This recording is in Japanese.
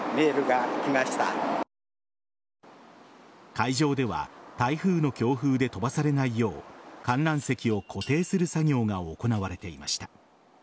会場では台風の強風で飛ばされないよう観覧席を固定する作業が行われていました。